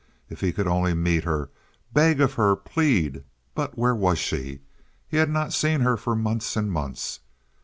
If he could only meet her, beg of her, plead; but where was she? He had not seen her for months and months.